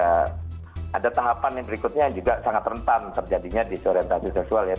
itu ada tanggapan yang berikutnya juga sangat rentan terjadinya di soal orientasi seksual ya